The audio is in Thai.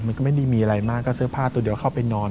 มันก็ไม่ได้มีอะไรมากก็เสื้อผ้าตัวเดียวเข้าไปนอน